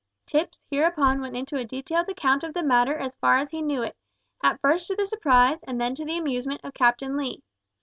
Tipps hereupon went into a detailed account of the matter as far as he knew it, at first to the surprise and then to the amusement of Captain Lee.